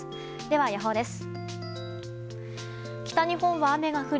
では予報です。